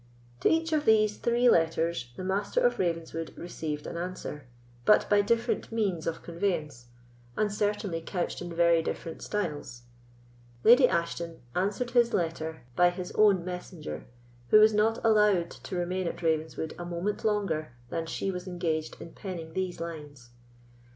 To each of these three letters the Master of Ravenswood received an answer, but by different means of conveyance, and certainly couched in very different styles. Lady Ashton answered his letter by his own messenger, who was not allowed to remain at Ravenswood a moment longer than she was engaged in penning these lines.